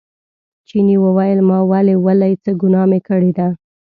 چیني وویل ما ولې ولئ څه ګناه مې کړې ده.